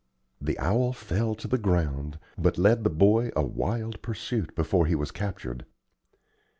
The owl fell to the ground, but led the boy a wild pursuit before he was captured.